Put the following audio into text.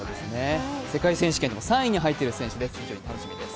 世界選手権でも３位に入っている選手です、非常に楽しみです。